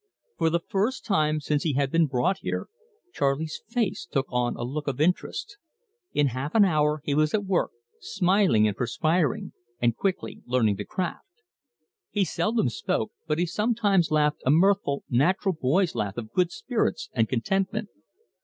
For the first time since he had been brought here, Charley's face took on a look of interest. In half an hour he was at work, smiling and perspiring, and quickly learning the craft. He seldom spoke, but he sometimes laughed a mirthful, natural boy's laugh of good spirits and contentment.